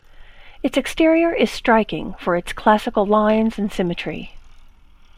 Its exterior is striking for its classical lines and symmetry.